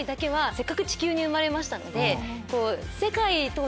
せっかく地球に生まれましたので。